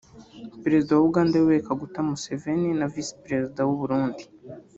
Perezida wa Uganda Yoweri Kaguta Museveni na Visi Perezida w’u Burundi